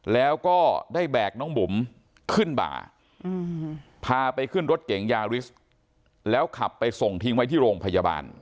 แล้วก็ได้แบกน้องบุ๋มขึ้นบ่าพาไปขึ้นรถเก๋งยาริสแล้วขับไปส่งทิ้งไว้ที่โรงพยาบาล